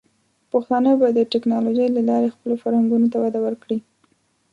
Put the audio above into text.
پښتانه به د ټیکنالوجۍ له لارې خپلو فرهنګونو ته وده ورکړي.